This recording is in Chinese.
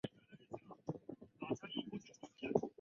这里仅记录最后一场琦玉公演的节目单。